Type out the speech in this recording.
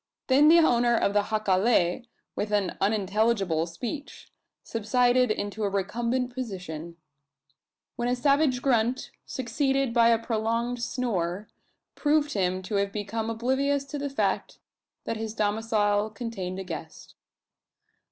Then the owner of the jacale, with an unintelligible speech, subsided into a recumbent position; when a savage grunt, succeeded by a prolonged snore, proved him to have become oblivious to the fact that his domicile contained a guest.